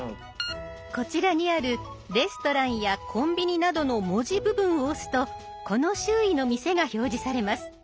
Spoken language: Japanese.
こちらにある「レストラン」や「コンビニ」などの文字部分を押すとこの周囲の店が表示されます。